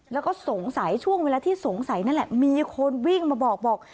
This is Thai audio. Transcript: แล้วก็สงสัยช่วงเวลาที่สงสัยนั่นแหละมีคนวิ่งมาบอกบอก